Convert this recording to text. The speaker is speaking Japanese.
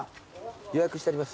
予約してあります。